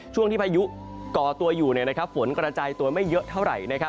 ช่วงที่พายุก่อตัวอยู่ฝนกระจายตัวไม่เยอะเท่าไหร่